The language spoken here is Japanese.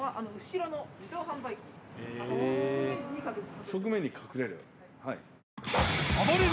側面に隠れる。